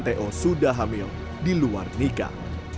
to sudah hamil di luar nikah